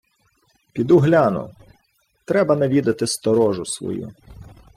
— Піду гляну... Треба навідати сторожу свою.